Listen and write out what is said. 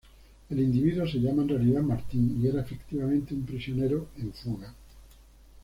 El individuo se llamaba en realidad Martín, y era efectivamente un prisionero "en fuga".